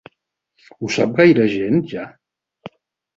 Ho sap gaire gent, ja?